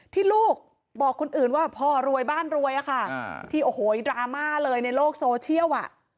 ที่ลูกบอกคนอื่นว่าพ่อรวยบ้านรวยอะค่ะที่โอ้โหดราม่าเลยในโลกโซเชียลอ่ะ